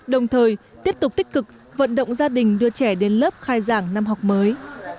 đồng thời tiếp tục tích cực vận động gia đình đưa trẻ đến lớp khai giảng năm học mới